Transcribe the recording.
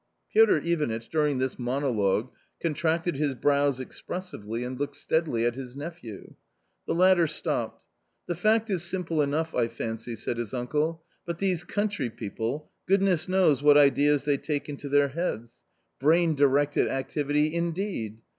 Piotr Ivanitch during this monologue contracted his brows expressively and looked steadily at his nephew. The latter stopped. "The fact is simple enough, I fancy," said his uncle; "but these country people— goodness knows what ideas they take into their heads .... brain directed activity indeed